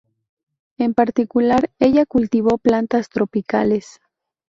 En particular, ella cultivó plantas tropicales.